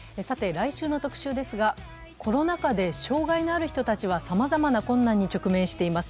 来週の特集ですが、コロナ禍で障害のある人たちはさまざまな困難に直面しています。